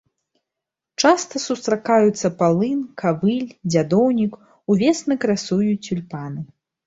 Часта сустракаюцца палын, кавыль, дзядоўнік, увесну красуюць цюльпаны.